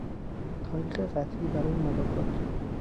تاریخ قطعی برای ملاقات